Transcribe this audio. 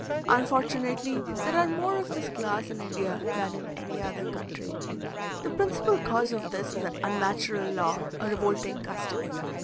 Unfortunately, there are more of this class in India than in any other country: the principal cause of this is an unnatural law, a revolting custom.